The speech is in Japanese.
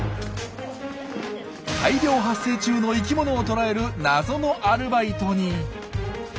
大量発生中の生きものを捕らえる謎のアルバイトに。